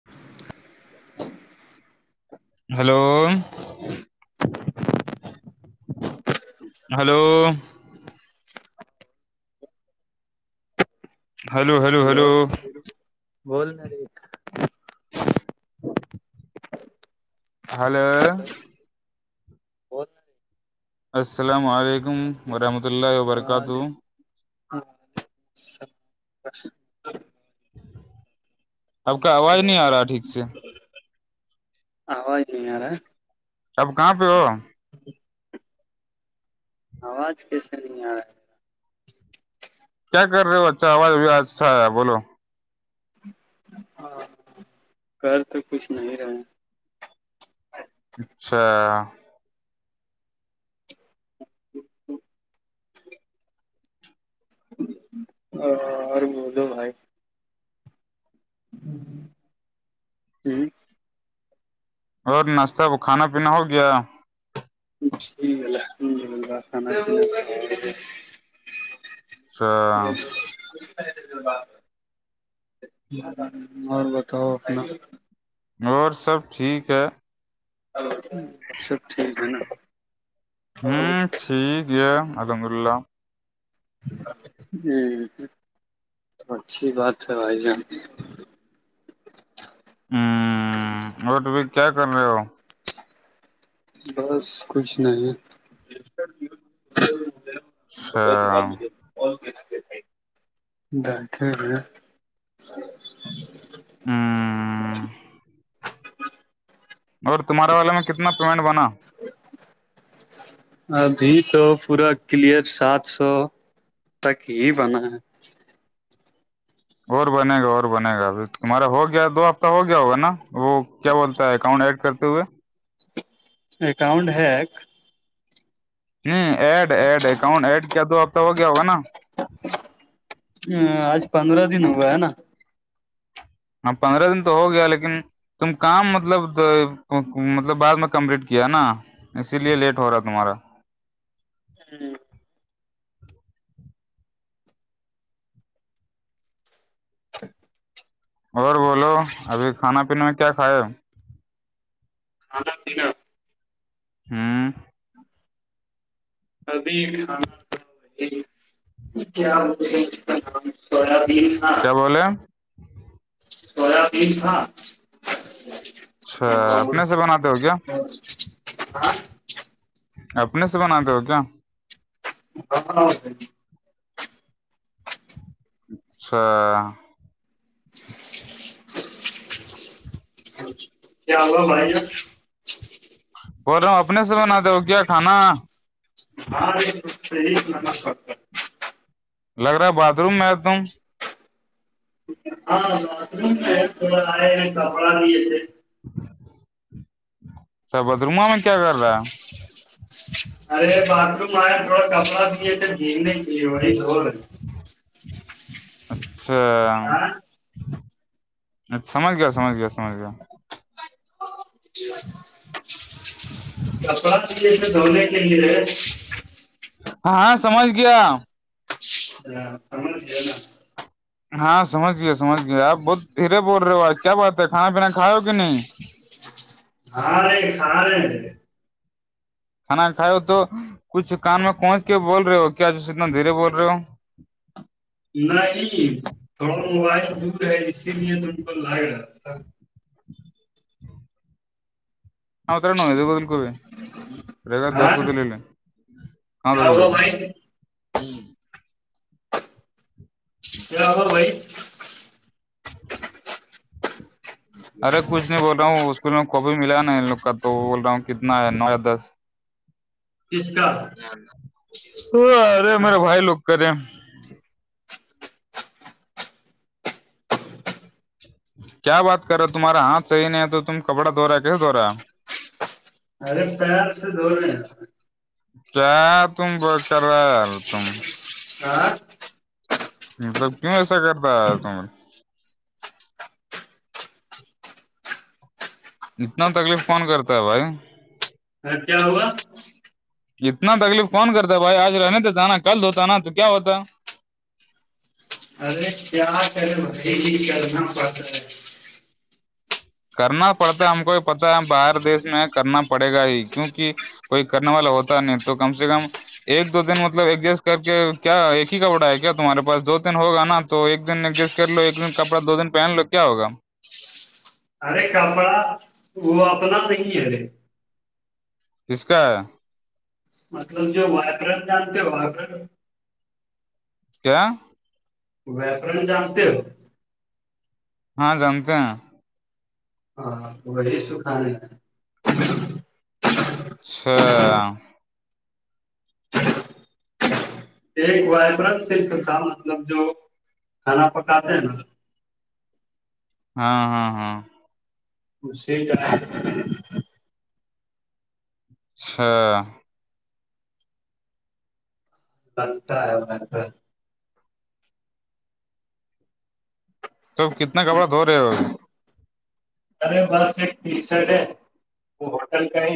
[inaudible] hello [inaudible] hello hello hello hello بولنا رے hello وعلیکم السلام علیکم ورحمۃ اللہ وبرکاتہ وعلیکم السلام اب کا کیسے آواز ہو نہیں آ رہا ٹھیک سے آواز نہیں یارا سب کہاں پہ ہو آج کیسے نہیں آ رہا ہے کیا کر رہے ہو اچھا آواز ا اچھا ہے بولو ہے کر تو کچھ نہیں رہے اچھا ہ اور ب دوو بھائی اور ناشتہ کھانا پینا ہو گیا ٹھیک ہے الحمد للہان [inaudible] [inaudible] اور بتاؤ اپنا اور سب ٹھیک ہے لو سب ٹھیک ہے نا ہ ہوں ٹھیک ہے الحمد اللہ جی اچھی بات ہے بھائی جان ہوں اور تو ب کیا کر رہے ہو بس کچھ نہیں ہے [inaudible] اچچھ ب ک دٹ ہے [inaudible] مگر تمہارے والے میں کتنایمنٹ بنا ابھی تو پورا کلیئر سات سو تک ہی بنا ہے اور بنے گا اور بنے گا اب تمہارا ہو گیا دو ہفتہ ہو گیا ہوگا نا وہ کیا بولتا ہے اکاؤنٹ ایڈ کرتے ہوئے اکاؤنٹ ہیک ہ ایڈ ایڈ اکاؤنٹ ایڈ کیا دو ہفت ہو گیا ہوگا نا ا آج پندرہ دن ہوا ہے نا ہاں پندرہ دن تو ہو گیا لیکن تم کام مطلب مطلب بعد میں کمپلیٹ کیا نا اسی لیے لیٹ ہو رہا ہے تمہارا [inaudible] اور بولو ابھی کھانا پینے میں کیا کھاائے ہے ہاں یک [unintelligible] ہوں ابھی کھانا کیا مج سولہ بھیین ہاں کیا بولے سویا بین تھا اچھا اپنے سے بناتے ہو کیا ہاں اپنے سے بناتے ہو کیا ہو [unintelligible] اچھا کیا ہو ب ج بول رہا ہوں اپنے سے بناتے ہو کیا کھانا ہاں نم لگ رہا ہے باتھ روم میں ایک دم ہاں تھڑا آ کا با بھی تھ اچھا بدرما میں کیا کر رہا ہے ارے باتھ رم آ تھوڑا کپڑا بھی جھی نہیں گ زور اچھا ہاں اچھا سمجھ گیا سمجھ گیا سمج گیا کپڑا رکھے تھے دھونے کے لیے ہاں سمجھ گیا ہاں سمجھ گیا نا ہاں سمجھ گئےے سمج گیے آپ بہت دھیرے بول رہے ہو آج کیا بات ہے کھا پینا کھا ہو کہ نہیں ہ رہے کھا رہے ہیں کھانا کھائے ہو تو کچھ کان میں پہنچ کے بول رہے ہو کیا اتنا دھیرے بول رہے ہو نہیں تھڑ موبائل دور ہے اسی لیے ت کو لائ رہا تھا ہاںترا ن د کودل کوو ر گا دس ہاں کو دل کاں دس کیا کو ہوا دل بھائی کیا ہوا بھائی ارے کچھ نہیں بول رہا ہوں اسکول میں کاپی ملا نا ان لوگ کا تو بول رہا ہوں کتنا ہے نو یا دس کس کا تو ارے میرے بھائی لوگ کرے کیا بات کرو تمہارا ہاتھ صح نہیں ہے تو تم کپڑا دھ رہا ہے کیسے دھ رہا ہے ارے پارس دنے کیا تم ب کرر تم آاں مطلب کیوں ایسا کرتا ہے تم اتنا تکلیف کون کرتا ہے بھائی ہاں کیا ہوا اتنا تکلیف کون کرتا بھائی آج رہنے تو ج نا کل دھ ہوتا نا تو کیا ہوتا ارے کیا کرے بھائی کرنا پڑتا ہے کرنا پڑتا ہے ہم کو یہ پتا ہے باہر دیش میں کرنا پڑے گا ہی کیونکہ کوئی کرنے والا ہوتا نہیں تو کم سے کم ایک دو دن مطلب ایڈجسٹ کر کے کیا ایک ہی کا بٹا ہے کیا تمہارے پاس دو دن ہوگا نا تو ایک دن ایڈجسٹ کر لو ایک دن کپڑا دو دن پہن لو کیا ہوگا ارے کپڑا وہ اپنا نہیں ہےرے کس کا ہے مطلب جو وائبرن جانتے وبر کیا ویاپرن جامتے ہو ہاں جانتے ہیں وہی سکھا رہے ہیں سھ ایک وائبرن صرف تھا مطلب جو کھانا پکاتے ہیں نا ہاں ہاں ہاں شی کیا چھ سر کرا ہے ب توب کتنا کپڑا دھ رہے ہو ابھی ارے بس ایک ٹی شرٹ ہے وہ ہوٹل کائی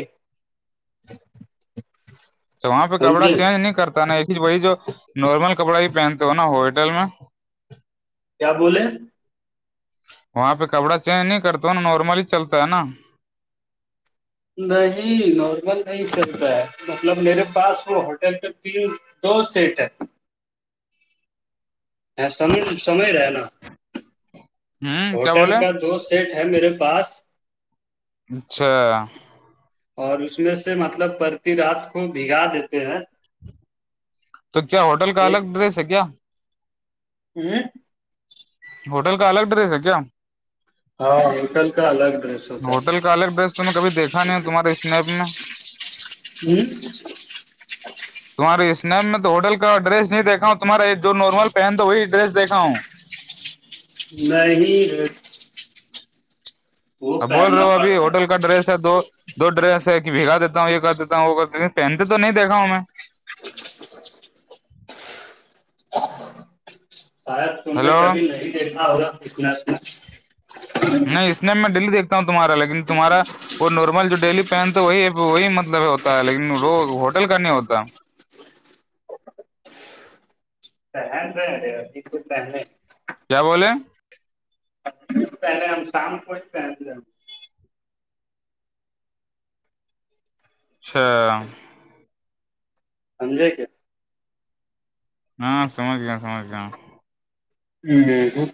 تو وہاں پہ کپڑا سمجھے چینج نہیں کرتا نا ایک ہی وہی جو نارمل کپڑا ہی پہنتے ہو نا ہوٹل میں کیا بولے وہاں پہ کپڑا چینج نہیں کرتا نا نارملی ہی چلتا ہے نا نہیں نارمل نہیں چلتا ہے مطلب میرے پاس وہ ہوٹل ت دو سیٹ ہے سم سمج رہے نا ہوں کیا بولے ہوٹل کا دوست سیٹ ہے میرے پاس اچھا اور اس میں سے مطلب پرتی رات کو بھگا دیتے ہیں تو کیا ہوٹل کا الگ ایک ڈریس ہے کیا [unintelligible] ہوٹل کا الگ ڈریس ہے کیا ہاں انکل کا الگ ڈریس ہوتا ہوٹل ہے کا الگ ڈریس تویں کبھی دیکھا نہیں تمہارے اسنیپ میں ہوں تمہاراری اسنم میں تو ہوٹل کا ڈڈریس نہیں دیکھا ہوں تمہارا جو نارمل پہن تو وہی ڈریس دیکھا ہوں نہیں وہ اب بول رہے پہننا ہو ابھی پڑتا ہے ہوٹل کا ڈریس ہے دو دو ڈریس ہے کہ بھگا دیتا ہوں یہ کر دیتا ہوں وہ کر دیتے ہ پہنتے تو نہیں دیکھا ہوں میں شاید تم نے ہیلو کبھی نہیں دیکھا ہوگا اتنانا نہیں اس میں دیکھتا ہوں تمہا لیکن تمہارا وہ نارمل جو ڈیلی پہن تو وہی وہی مطلب ہوتا ہے لیکن وہ ہوٹل کا نہیں ہوتا چان رہ رہے چ کیا بولیں پہلے شام کوچ پ ج اچھا سمجے کیا ہاں سمچیں سمچیں نہیں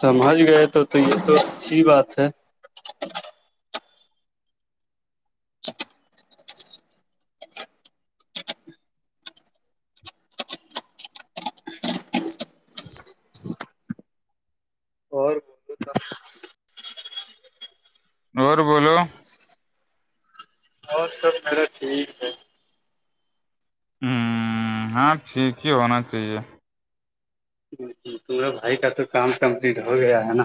سمجھ گئے تو تو یہ تو اچھی بات ہے اورور بولو اور سب مرا ٹھیک ہے ہوں ہاں ٹھیک ہی ہونا چاہیے تمرے بھائی کا تو کام کمپلیٹ ہو گیا ہے نا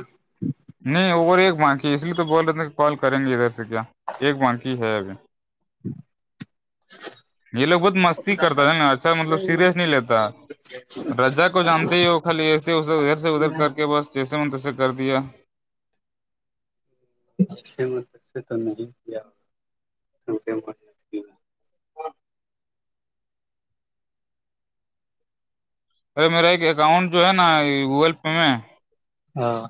نہیں اور ایک بانکی اس لیے تو بول رہے تھ کہ کال کریں گے ادھر سے کیا ایک بانکی ہے ابھی یہ لوگ بہت مستی کرتا تھا نا اچھا مطلب سیریس نہیں لیتا را کو جانتے ہی وہ کل ایس اسے ادھر سے ادھر کر کے بس جیسے من تسے کر دیا م سے تو نہیں کیا ارے میرا ایک اکاؤنٹ جو ہے نا گوگل پے میں ہاں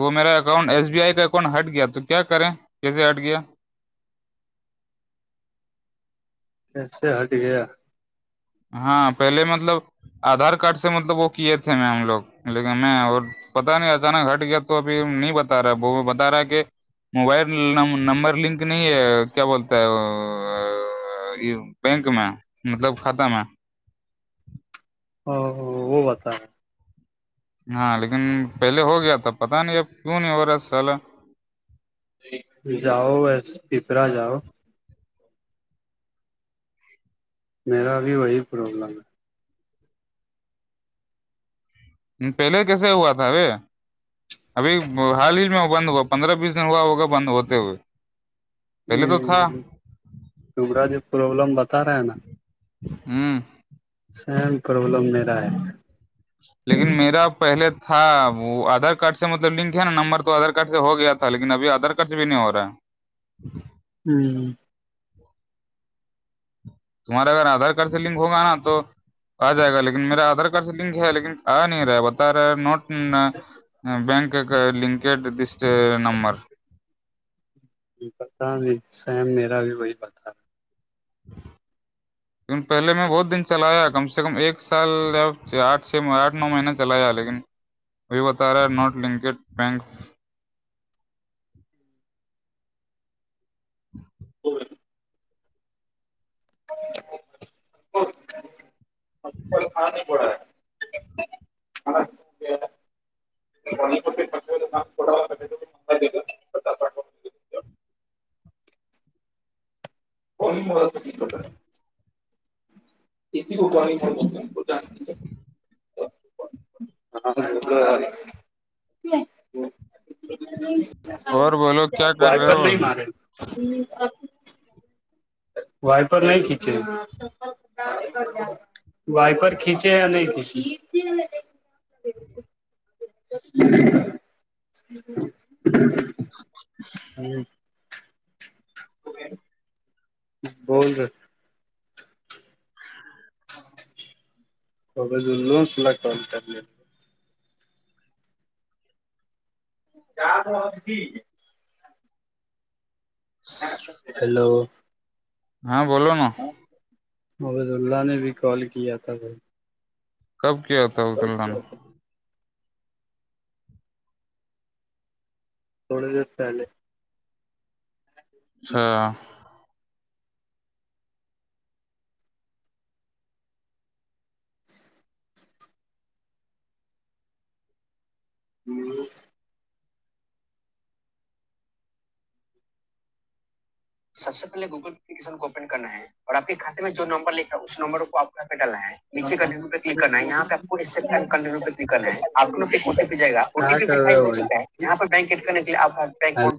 وہ میرا اکاؤنٹ ایس بی آئی کا اکاؤنٹ ہٹ گیا تو کیا کریں کیسے ہٹ گیا کیسے ہٹ گیا ہاں پہلے مطلب آدھار کارڈ سے مطلب وہ کیے تھے میں ہم لوگ لیکن میں اور پتا نہیں اچانک ہٹ گیا تو ابھی نہیں بتا رہا وہ بتا رہا ہے کہ موبائل نمبر لنک نہیں ہے کیا بولتا ہے بینک میں مطلب کھاتہ میں ا وہ بتا رہ ہاں لیکن پہلے ہو گیا تھا پتا نہیں اب کیوں نہیں ہو رہا سالا جاؤ ایس پپرا جاؤ میرا بھی وہی پرابلم ہے پہلے کیسے ہوا تھا ار ابھی حال ہی میں بند ہوا پندرہ بیس دن ہوا ہوگا بند ہوتے ہوئے پہلے ہ تو تھا شرہ جو پروابلم بتا رہا ہے نا ہوں سیم پرابلم نہیں رہا ہے لیکن میرا پہلے ہاں وہ آدھار کارڈ سے مطلب لنک ہے نا نمبر تو آدھار کارڈ سے ہو گیا تھا لیکن ابھی آدھار کارڈ سے بھی نہیں ہو رہا ہے جی ہوں تمہارا اگر آدارڈ سے لنک ہوگا نا تو آ جائے گا لیکن میرا آدھار کارڈ سے لنک ہے لیکن آ نہیں رہا بتا رہے نوٹ بینک کا لنکڈس نمبر پتا نہیں سیم میرا بھی وہی پتا [inaudible] پہلے میں بہت دن چلایا کم سے کم ایک سال یا آٹھ چھ آٹھ نو مہیین چلایا لیکن وہی بتا رہا ہے ناٹ لنکڈ بینک [inaudible] اور ھان نہیں پڑا ہے اور ملا س لوٹ ایسیی کوٹو نہیں تھا م ہاں اور بولو کیا کر وائ رہے پر ہو نہیں ابھی مارے وائپر نہیں کھینچے وائپر کھیچے نہیں کھیچے [inaudible] [inaudible] ہاں [inaudible] بول رہ [inaudible] [inaudible] ہیلو ہاں بولو نا حبض اللہ نے بھی کال کیا تھا بھائی کب کیا تھا عبد اللہ نے تھوڑی دیر پہلے اچھا [inaudible] ہوں سب سے پہے گوگلیکن کو اوپن کرنا ہے اور آپ کے کاتے میں جو نمبر لکھا اس نمبر کو آپ پہ ڈالنا ہے کیا نیچے کنٹو کرنا ہے یہاں پہ آپ کو کن کا کرنا ہے آپ لو کے کوٹٹی پہ جائے گا اوٹی کر پیٹائی رہے ہو چکا ہے بھائی یہاں پر بینک ایڈ کرنے کے لی آپ